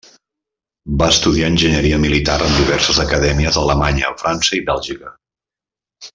Va estudiar enginyeria militar en diverses acadèmies a Alemanya, França i Bèlgica.